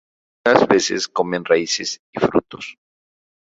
Algunas veces comen raíces y frutos.